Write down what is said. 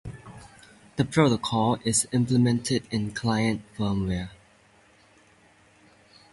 The protocol is implemented in client firmware.